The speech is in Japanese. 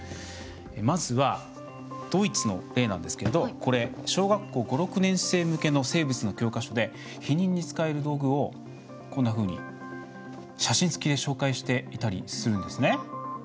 まずは、ドイツの例なんですけどこれ小学校５６年生向けの生物の教科書で避妊に使われる道具を写真付きで紹介していたりするんですね。